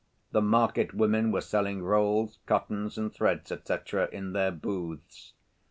The market women were selling rolls, cottons and threads, etc., in their booths.